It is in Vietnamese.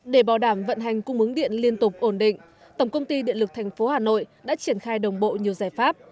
để bảo đảm vận hành cung ứng điện liên tục ổn định tổng công ty điện lực tp hà nội đã triển khai đồng bộ nhiều giải pháp